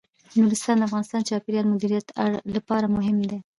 نورستان د افغانستان د چاپیریال د مدیریت لپاره مهم دي.